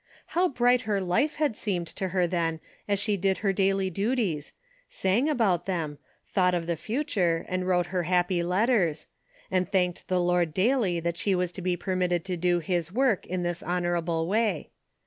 How bright her life had seemed to her then as she did her daily duties ; sang about them ; thought of 86 A DAILY BATE." the future and wrote her happy letters ; and thanked the Lord daily that she was to be permitted to do his work in this honorable way.